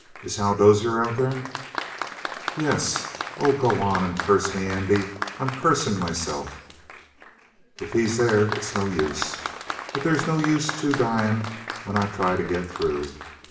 Is Hal Dozier out there?" "Yes. Oh, go on and curse me, Andy. I'm cursin' myself!" "If he's there, it's no use. But there's no use two dyin' when I try to get through.